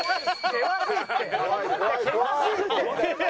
険しいって！